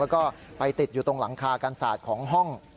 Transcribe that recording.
แล้วก็ไปติดอยู่ตรงหลังคากันศาสตร์ของห้อง